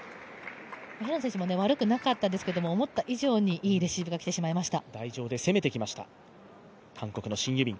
平野選手も悪くなかったですけど思った以上にいいレシーブが来てしまいました。